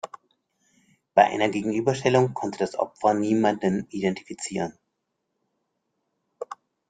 Bei einer Gegenüberstellung konnte das Opfer niemanden identifizieren.